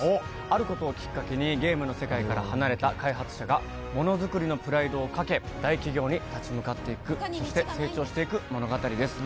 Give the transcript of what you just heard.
あることをきっかけにゲームの世界から離れた開発者がものづくりのプライドをかけ大企業に立ち向かっていくそして成長していく物語です